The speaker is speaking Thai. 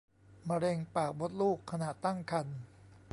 มะเร็งปากมดลูกขณะตั้งครรภ์